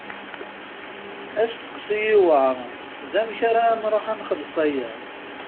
Asteqsi i yuɛṛen d amek ara nṛuḥ ad nxelleṣ aya.